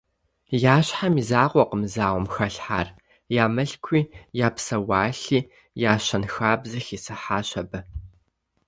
Я щхьэм и закъуэкъым зауэм халъхьар, я мылъкуи, я псэуалъи, я щэнхабзи хисхьащ абы.